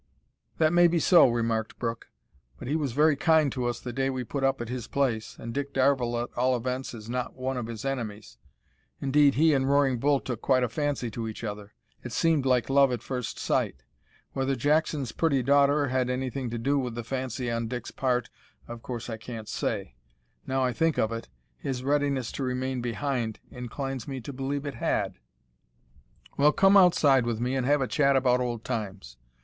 "That may be so," remarked Brooke, "but he was very kind to us the day we put up at his place, and Dick Darvall, at all events, is not one of his enemies. Indeed he and Roaring Bull took quite a fancy to each other. It seemed like love at first sight. Whether Jackson's pretty daughter had anything to do with the fancy on Dick's part of course I can't say. Now, I think of it, his readiness to remain behind inclines me to believe it had!" "Well, come outside with me, and have a chat about old, times.